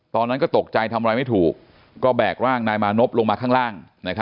ตอนนั้นก็ตกใจทำอะไรไม่ถูกก็แบกร่างนายมานพลงมาข้างล่าง